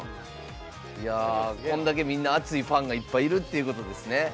いやこんだけみんな熱いファンがいっぱいいるっていうことですね。